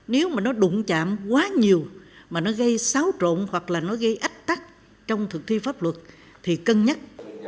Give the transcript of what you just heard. nếu mà nó đụng chạm quá nhiều mà nó gây xáo trộn hoặc là nó gây ách tắc trong thực thi pháp luật thì cân nhắc